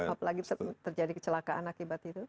apalagi terjadi kecelakaan akibat itu